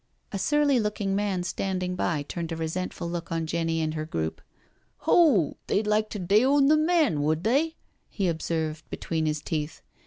A surly looking man standing by turned a resentful look on Jenny and her group. " Ho, they'd like to deawn the men, would they I " he observed between his teeth.